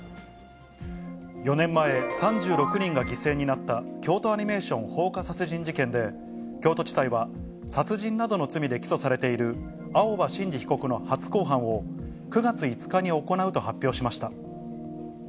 ４年前、３６人が犠牲になった京都アニメーション放火殺人事件で、京都地裁は、殺人などの罪で起訴されている青葉真司被告の初公判を９月５日に行うと発表しました。